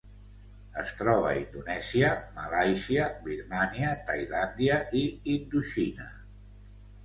Es troba a Indonèsia, Malàisia, Birmània, Tailàndia i Indoxina.